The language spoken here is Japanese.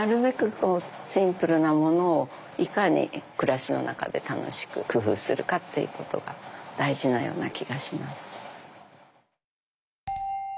こうシンプルなものをいかに暮らしの中で楽しく工夫するかっていうことが大事なような気がします。